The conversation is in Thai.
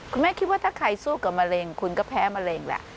คุณแม่คิดว่าถ้าใครสู้กับมะเร็งคุณก็แพ้มะเร็งแหละ